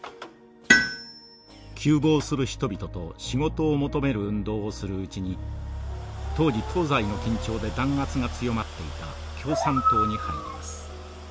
窮乏する人々と仕事を求める運動をするうちに当時東西の緊張で弾圧が強まっていた共産党に入ります。